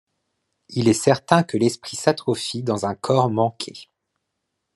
Il est certain que l’esprit s’atrophie dans un corps manqué.